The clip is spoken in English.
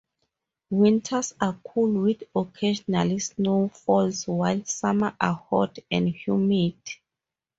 Winters are cool with occasional snowfalls while summers are hot and humid.